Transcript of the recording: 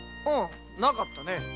無かったね。